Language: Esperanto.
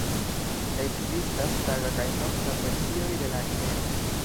Ekzistas taga kaj nokta versioj de la animeo.